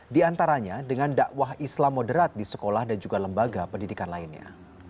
di antaranya dengan dakwah islam moderat di sekolah dan juga lembaga pendidikan lainnya